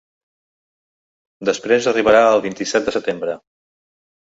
Després, arribarà el vint-i-set de setembre.